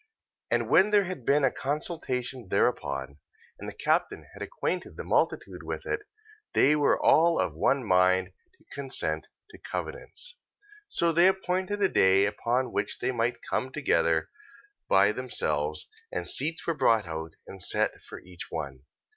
14:20. And when there had been a consultation thereupon, and the captain had acquainted the multitude with it, they were all of one mind to consent to covenants. 14:21. So they appointed a day upon which they might comne together by themselves: and seats were brought out, and set for each one.